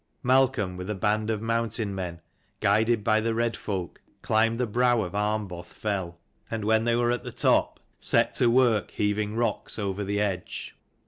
Malcolm with a band of mountain men, guided by the red folk, climbed the brow of Armboth fell: and when they were at the top, set to NN 297 work heaving rocks over the edge.